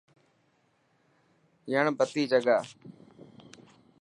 يڻ بتي جگا.